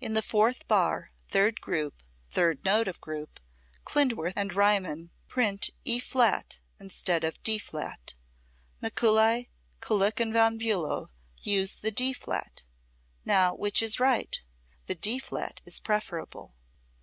In the fourth bar, third group, third note of group, Klindworth and Riemann print E flat instead of D flat. Mikuli, Kullak and Von Bulow use the D flat. Now, which is right? The D flat is preferable.